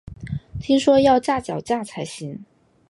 听说要架脚架才行